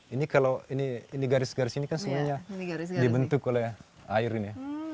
ini kalau ini ini garis garis ini kan sebenarnya dibentuk oleh air ini ya